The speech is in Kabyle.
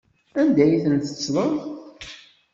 Anda ay ten-tettleḍ?